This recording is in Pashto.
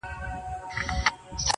د ژوند دوران ته دي کتلي گراني ~